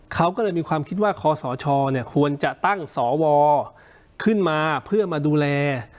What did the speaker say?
เขาก็เลยมีความคิดว่าคอสชควรจะตั้งสวขึ้นมาเพื่อมาดูแล